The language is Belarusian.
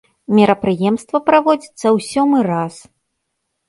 Мерапрыемства праводзіцца ў сёмы раз.